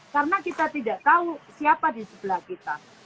karena kita tidak tahu siapa di sebelah kita